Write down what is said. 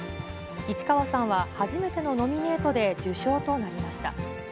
市川さんは初めてのノミネートで受賞となりました。